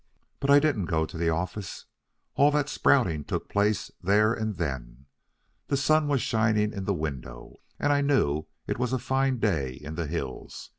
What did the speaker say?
But I didn't go to the office. All that sprouting took place there and then. The sun was shining in the window, and I knew it was a fine day in the hills.